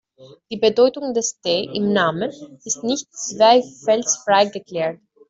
Die Bedeutung des "T" im Namen ist nicht zweifelsfrei geklärt.